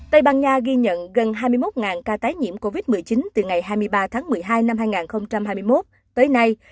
tây ban nha ghi nhận gần hai mươi một ca tái nhiễm covid một mươi chín từ ngày hai mươi ba tháng một mươi hai năm hai nghìn hai mươi một tới nay